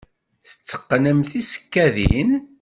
Tetteqqnem tisekkadin?